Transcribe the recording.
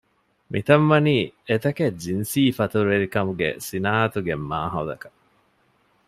މިތަން ވަނީ އެތަކެއް ޖިންސީ ފަތުރުވެރިކަމުގެ ޞިނާޢަތުގެ މާހައުލަކަށް